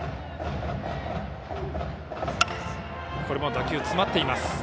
これも打球詰まっています。